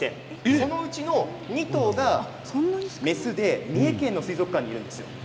そのうちの、２頭が雌で三重県の水族館にいるんです。